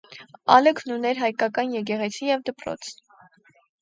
Ալըքն ուներ հայկական եկեղեցի և դպրոց։